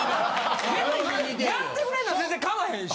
やってくれんのは全然かまへんし。